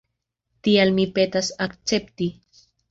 Tial mi petas akcepti.